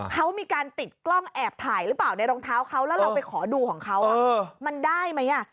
เขามีการติดกล้องแอบถ่ายหรือเปล่าในรองเท้าเขาแล้วเราไปขอดูของเขามันได้ไหม